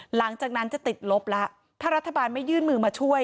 หลังจากนั้นจะติดลบแล้วถ้ารัฐบาลไม่ยื่นมือมาช่วย